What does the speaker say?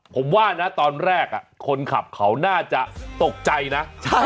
ผมว่านะตอนแรกคนขับเขาน่าจะตกใจนะ